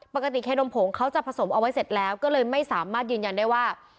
เคนมผงเขาจะผสมเอาไว้เสร็จแล้วก็เลยไม่สามารถยืนยันได้ว่า